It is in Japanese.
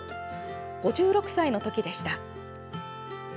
５６歳の時でした。